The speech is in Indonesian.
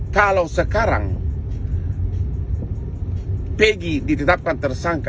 kalau sekarang pg ditetapkan tersangka